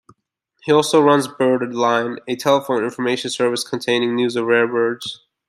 He also runs Birdline, a telephone information service containing news of rare birds.